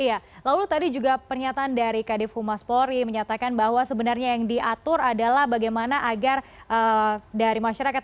iya lalu tadi juga pernyataan dari kadif humas polri menyatakan bahwa sebenarnya yang diatur adalah bagaimana agar dari masyarakat